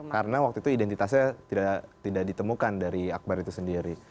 karena waktu itu identitasnya tidak ditemukan dari akbar itu sendiri